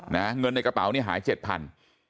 นะเงินในกระเป๋านี่หาย๗๐๐๐